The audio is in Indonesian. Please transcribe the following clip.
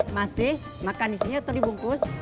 masih makan disini atau dibungkus